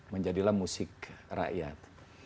menjadilah musik rakyat